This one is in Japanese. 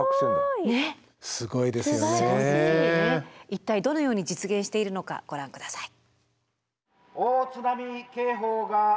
一体どのように実現しているのかご覧下さい。